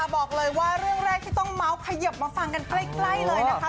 บอกเลยว่าเรื่องแรกที่ต้องเมาส์ขยิบมาฟังกันใกล้เลยนะคะ